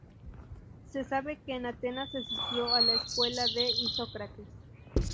Se sabe que en Atenas asistió a la escuela de Isócrates.